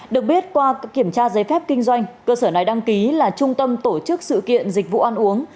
được biết qua kiểm tra giấy phép kinh doanh cơ sở này đăng ký là trung tâm tổ chức sự kiện dịch vụ ăn uống